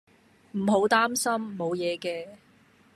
唔好擔心，無嘢嘅